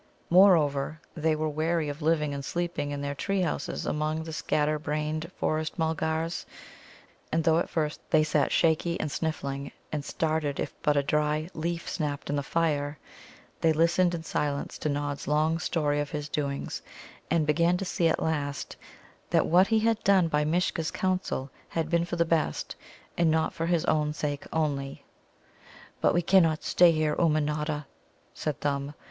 Moreover, they were weary of living and sleeping in their tree houses among the scatter brained Forest mulgars, and though at first they sat shaky and sniffing, and started if but a dry leaf snapped in the fire, they listened in silence to Nod's long story of his doings, and began to see at last that what he had done by Mishcha's counsel had been for the best, and not for his own sake only. "But we cannot stay here, Ummanodda," said Thumb.